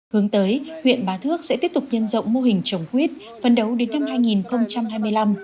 hướng tới huyện bá thước sẽ tiếp tục nhân rộng mô hình trồng quýt phân đấu đến năm hai nghìn hai mươi năm